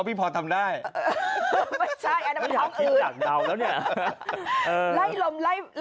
พี่ทำยังไงฮะ